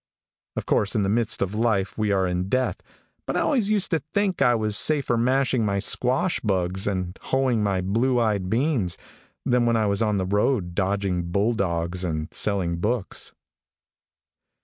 "Of course, in the midst of life we are in death, but I always used to think I was safer mashing my squash bugs and hoeing my blue eyed beans than when I was on the road, dodging bulldogs and selling books.